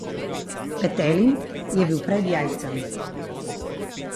Petelin je bil pred jajcem.